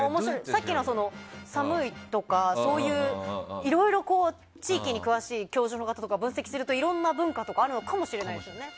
さっきの寒いとかそういういろいろ地域に詳しい教授の方が分析するといろんな文化とかあるのかもしれないですよね。